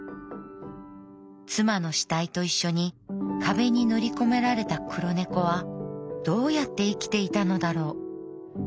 妻の死体と一緒に壁に塗りこめられた黒猫はどうやって生きていたのだろう。